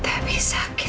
tidak ini sudah berakhir